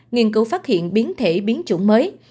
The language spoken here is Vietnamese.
nghiên cứu phát hiện biến thể biến chủng mới